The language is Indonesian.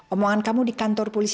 aida aida yang jujur